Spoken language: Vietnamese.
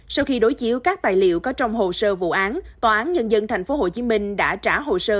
sau khi đối chiếu các tài liệu có trong hồ sơ vụ án tòa án nhân dân tp hcm đã trả hồ sơ